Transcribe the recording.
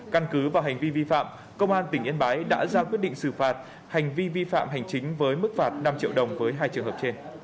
căn cứ vào hành vi vi phạm công an tỉnh yên bái đã ra quyết định xử phạt hành vi vi phạm hành chính với mức phạt năm triệu đồng với hai trường hợp trên